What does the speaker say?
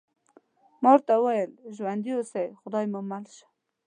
ما ورته وویل: ژوندي اوسئ، خدای مو مل شه.